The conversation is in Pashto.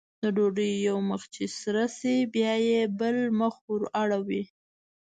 د ډوډۍ یو مخ چې سره شي بیا یې بل مخ ور اړوي.